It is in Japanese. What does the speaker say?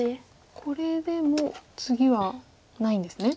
これでも次はないんですね。